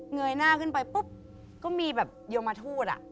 เงยหน้าขึ้นไปปุ๊บก็มีแบบโยมทูต